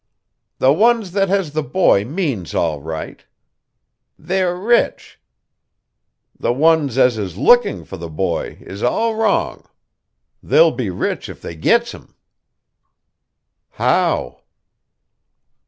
"The ones that has the boy means all right. They're rich. The ones as is looking for the boy is all wrong. They'll be rich if they gits him." "How?"